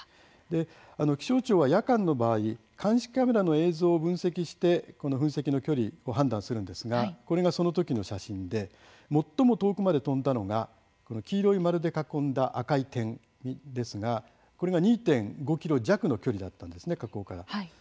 気象庁は、夜間の場合監視カメラの映像を分析して噴石の距離を判断するんですがこれがそのときの写真で最も遠くまで飛んだのが、この黄色い丸で囲んだ赤い点ですがこれが２．５ｋｍ弱の距離だったんですね、火口から。